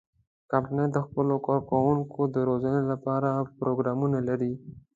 کمپنۍ د خپلو کارکوونکو د روزنې لپاره پروګرامونه لري.